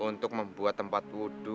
untuk membuat tempat wudhu